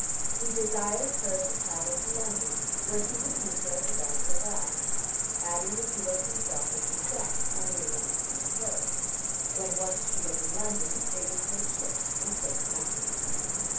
He desired her to travel to London where he would meet her at the Belle Sauvage, adding that he was himself in distress, and unable to come to her: when once she was in London they would take ship and quit the country.